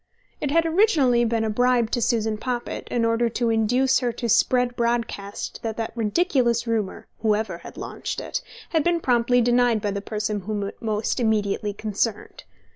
It had originally been a bribe to Susan Poppit, in order to induce her to spread broadcast that that ridiculous rumour (whoever had launched it) had been promptly denied by the person whom it most immediately concerned.